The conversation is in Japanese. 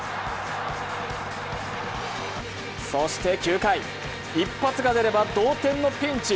そして９回、１発が出れば同点のピンチ。